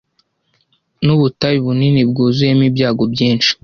nubutayu bunini bwuzuyemo ibyago byinshi